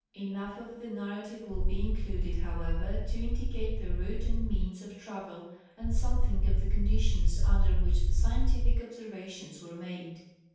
Enough of the narrative will be included, how ever, to indicate the route and means of travel and something of the conditions under which the scientific observations were made.